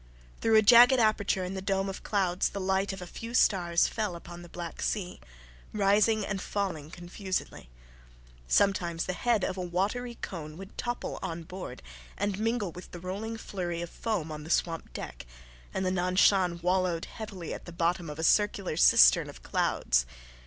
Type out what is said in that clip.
Through a jagged aperture in the dome of clouds the light of a few stars fell upon the black sea, rising and falling confusedly. Sometimes the head of a watery cone would topple on board and mingle with the rolling flurry of foam on the swamped deck; and the Nan Shan wallowed heavily at the bottom of a circular cistern of clouds.